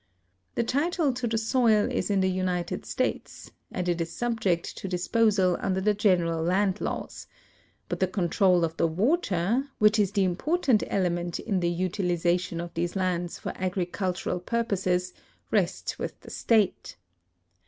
The title to the soil is in the United States, and it is subject to dis posal under the general land laws ; but the control of the water, which is the important element in the utilization of these lands for agricultural purposes, rests with the state.